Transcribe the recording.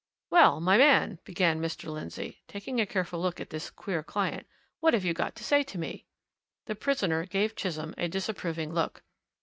"Well, my man!" began Mr. Lindsey, taking a careful look at this queer client. "What have you got to say to me?" The prisoner gave Chisholm a disapproving look.